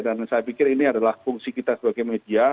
saya pikir ini adalah fungsi kita sebagai media